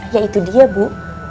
ya itu dia bu